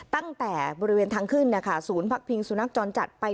ตั้งแต่บริเวณทางขึ้นนะคะศูนย์พักพิงสุนัขจรจัดไป